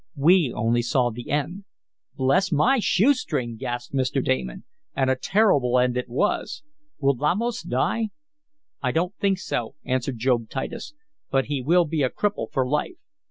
We only saw the end." "Bless my shoe string!" gasped Mr. Damon. "And a terrible end it was. Will Lamos die?" "I don't think so," answered Job Titus. "But he will be a cripple for life.